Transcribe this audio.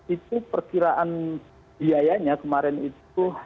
itu perkiraan biayanya kemarin itu